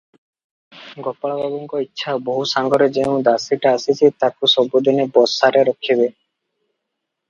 ଗୋପାଳବାବୁଙ୍କ ଇଚ୍ଛା, ବୋହୂ ସାଙ୍ଗରେ ଯେଉଁ ଦାସୀଟା ଆସିଛି, ତାକୁ ସବୁଦିନେ ବସାରେ ରଖିବେ ।